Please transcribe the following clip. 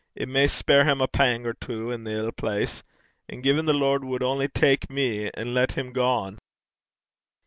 It may spare him a pang or twa i' the ill place. Eh, gin the Lord wad only tak me, and lat him gang!'